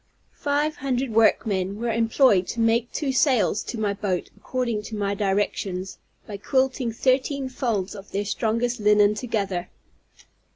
Five hundred workmen were employed to make two sails to my boat, according to my directions, by quilting thirteen folds of their strongest linen together.